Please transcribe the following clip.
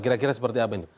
kira kira seperti apa ini